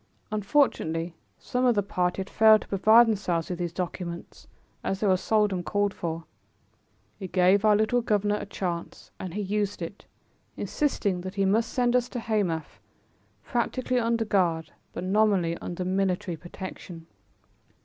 Unfortunately some of the party had failed to provide themselves with these documents as they were seldom called for. It gave our little governor a chance and he used it, insisting that he must send us to Hamath, practically under guard, but nominally under military protection.